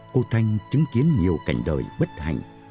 cô thanh chứng kiến nhiều cảnh đời bất hạnh